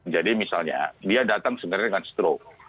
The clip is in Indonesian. jadi misalnya dia datang sebenarnya dengan stroke